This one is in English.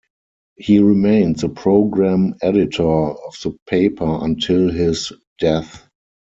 He remained the programme editor of the paper until his death.